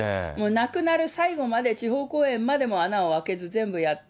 亡くなる最後まで、地方公演までも穴をあけず、全部やった。